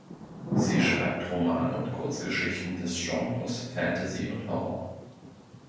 Sie schreibt Romane und Kurzgeschichten der Genres Fantasy und Horror.